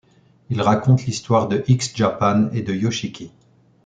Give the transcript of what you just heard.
Il raconte l'histoire de X Japan et de Yoshiki.